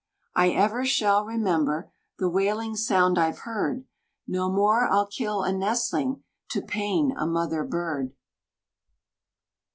"I ever shall remember The wailing sound I've heard! No more I'll kill a nestling, To pain a mother bird!"